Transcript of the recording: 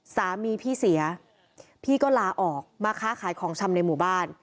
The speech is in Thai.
สามีพี่เสียพี่ก็ลาออกมาค้าขายของชำในหมู่บ้าน